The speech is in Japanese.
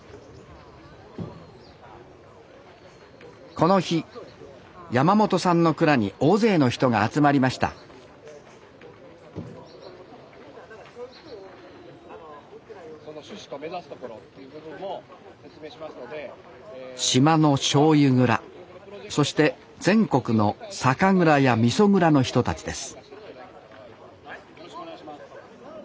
この日山本さんの蔵に大勢の人が集まりました島のしょうゆ蔵そして全国の酒蔵やみそ蔵の人たちです